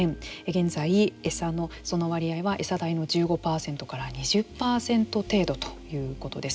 現在、その割合はエサ代の１５％から２０％程度ということです。